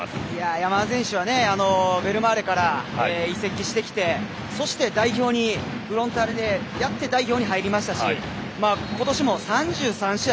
山根選手はベルマーレから移籍してきて、そして代表にフロンターレでやって入りましたし、ことしも３３試合。